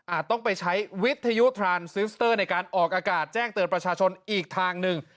ต้องไปใช้วิทยุทรานซิสเตอร์ในการออกอากาศแจ้งเตือนประชาชนอีกทางหนึ่ง